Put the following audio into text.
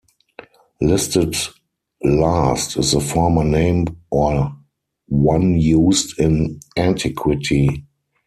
Listed last is a former name or one used in antiquity.